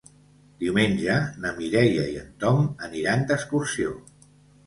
Diumenge na Mireia i en Tom aniran d'excursió.